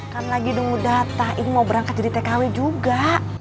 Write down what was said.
kan lagi nunggu data ini mau berangkat jadi tkw juga